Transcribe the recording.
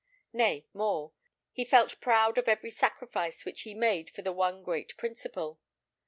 Nay, more; he felt proud of every sacrifice which he made for the one great principle.